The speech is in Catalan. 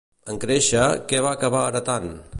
En créixer, què va acabar heretant?